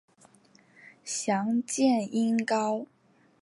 详见音高。